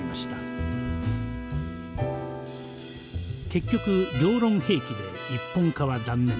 結局両論併記で一本化は断念。